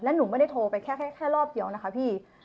หนูไม่ได้โทรไปแค่รอบเดียวนะคะพี่